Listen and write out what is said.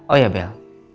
oh ya bel